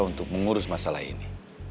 untuk mengurus masalah ini